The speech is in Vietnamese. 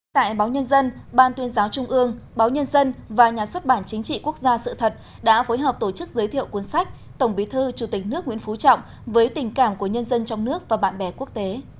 tại báo nhân dân ban tuyên giáo trung ương báo nhân dân và nhà xuất bản chính trị quốc gia sự thật đã phối hợp tổ chức giới thiệu cuốn sách tổng bí thư chủ tịch nước nguyễn phú trọng với tình cảm của nhân dân trong nước và bạn bè quốc tế